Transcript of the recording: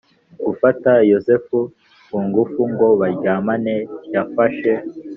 gufata Yozefu ku ngufu ngo baryamane Yafashe